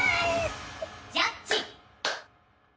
ジャッジ！